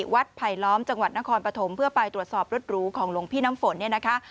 ไผลล้อมจังหวัดนครปฐมเพื่อไปตรวจสอบรถหรูของหลวงพี่น้ำฝนเนี่ยนะคะ